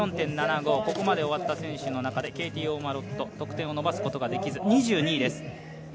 １４．７５、ここまで滑りきった選手の中でケイティ・オーマロッド得点を伸ばすことができず２２位です。